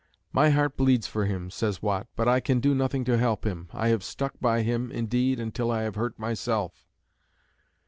"My heart bleeds for him," says Watt, "but I can do nothing to help him. I have stuck by him, indeed, until I have hurt myself."